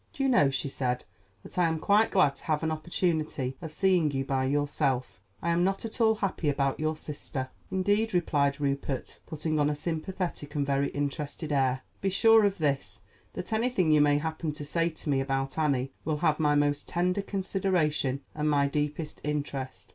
"Do you know," she said, "that I am quite glad to have an opportunity of seeing you by yourself. I am not at all happy about your sister." "Indeed," replied Rupert, putting on a sympathetic and very interested air. "Be sure of this, that anything you may happen to say to me about Annie will have my most tender consideration and my deepest interest.